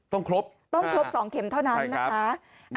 ครบต้องครบ๒เข็มเท่านั้นนะคะ